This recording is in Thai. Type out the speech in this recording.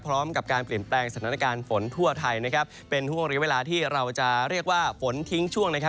พร้อมกับการเปลี่ยนแปลงสถานการณ์ฝนทั่วไทยนะครับเป็นห่วงเรียกเวลาที่เราจะเรียกว่าฝนทิ้งช่วงนะครับ